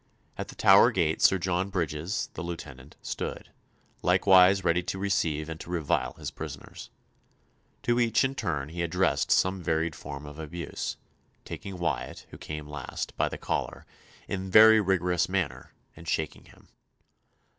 At the Tower Gate Sir John Bridges, the Lieutenant, stood, likewise ready to receive and to revile his prisoners. To each in turn he addressed some varied form of abuse, taking Wyatt, who came last, by the collar "in very rigorous manner," and shaking him.